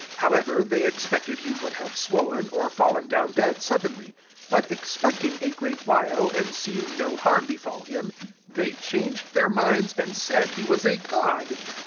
6 However, they expected he would have swollen, or fallen down dead suddenly: but expect ing a great while, and seeing no harm befal him, they changed their minds, and said he was a god.